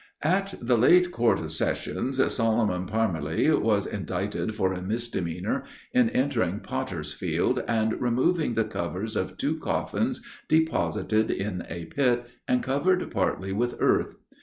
"At the late Court of Sessions, Solomon Parmeli was indicted for a misdemeanor, in entering Potter's Field, and removing the covers of two coffins deposited in a pit, and covered partly with earth.